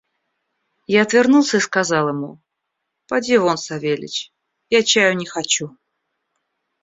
Я отвернулся и сказал ему: «Поди вон, Савельич; я чаю не хочу».